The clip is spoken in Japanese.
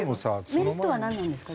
メリットはなんなんですか？